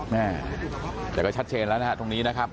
แม่แต่ก็ชัดเจนแล้วนะฮะตรงนี้นะครับ